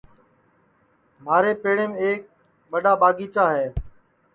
مھارے پیڑیم ایک ٻڈؔا ٻاگیچا ہے